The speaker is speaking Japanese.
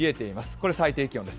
これ最低気温です。